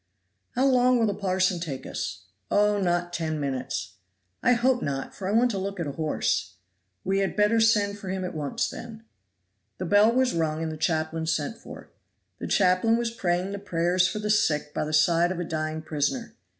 "How long will the parson take us?" "Oh! not ten minutes." "I hope not, for I want to look at a horse." "We had better send for him at once, then." The bell was rung and the chaplain sent for. The chaplain was praying the prayers for the sick by the side of a dying prisoner.